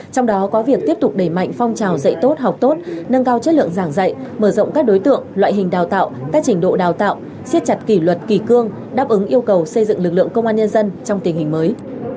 trong đó có việc tiếp tục đẩy mạnh phong trào dạy tốt học tốt nâng cao chất lượng giảng dạy mở rộng các đối tượng loại hình đào tạo các trình độ đào tạo xiết chặt kỷ luật kỳ cương đáp ứng yêu cầu xây dựng lực lượng công an nhân dân trong tình hình mới